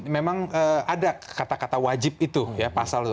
memang ada kata kata wajib itu ya pasal itu